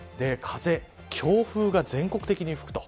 強風が全国的に吹くと。